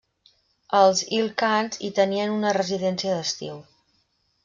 Els Il-khans hi tenien una residència d'estiu.